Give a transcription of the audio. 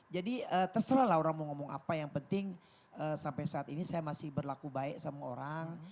jadi terserahlah orang mau ngomong apa yang penting sampai saat ini saya masih berlaku baik sama orang